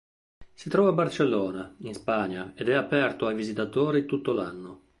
Si trova a Barcellona, in Spagna ed è aperto ai visitatori tutto l'anno.